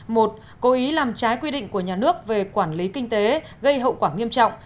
một cố ý làm trái quy định của nhà nước về quản lý kinh tế gây hậu quả nghiêm trọng